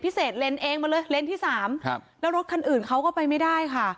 เศษเลนส์เองมาเลยเลนส์ที่สามครับแล้วรถคันอื่นเขาก็ไปไม่ได้ค่ะ